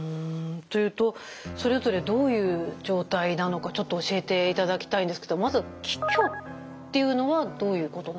というとそれぞれどういう状態なのか教えていただきたいんですけどまず気虚っていうのはどういうことなんですか？